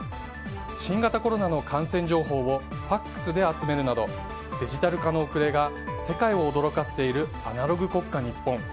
新型コロナの感染情報をＦＡＸで集めるなどデジタル化の遅れが世界を驚かせているアナログ国家、日本。